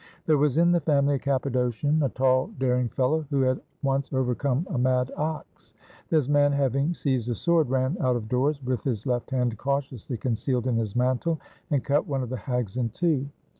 There was in the family a Cappadocian, a tall, daring fellow, who had once overcome a mad ox. This man having seized a sword, ran out of doors, with his left hand cautiously concealed in his mantle, and cut one of the hags in two.